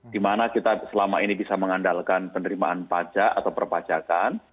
di mana kita selama ini bisa mengandalkan penerimaan pajak atau perpacakan